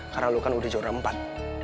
karena lo kan udah jauh rempat